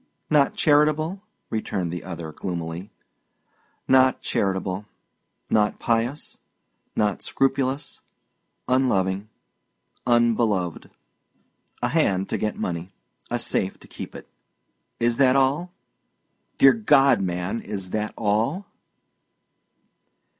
"Not charitable?" returned the other, gloomily. "Not charitable; not pious; not scrupulous; unloving, unbeloved; a hand to get money, a safe to keep it. Is that all? Dear God, man, is that all?"